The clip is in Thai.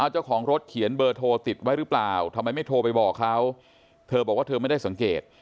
เจ้าของรถเขียนเบอร์โทรติดไว้หรือเปล่าทำไมไม่โทรไปบอกเขาเธอบอกว่าเธอไม่ได้สังเกต